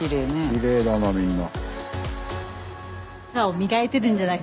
きれいだなみんな。